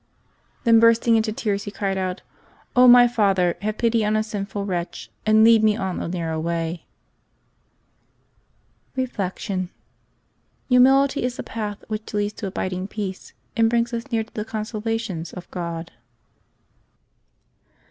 Then bursting into tears, he cried out, " my father, have pity on a sinful wretch, and lead me on the narrow way/' Reflection. — Humility is the path which leads to abid ing peace and brings us near to the consolations of GK)d.